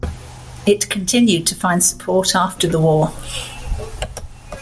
It continued to find support after the war.